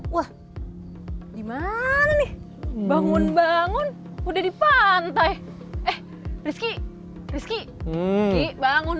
wah gimana nih bangun bangun udah di pantai eh rizky rizky bangun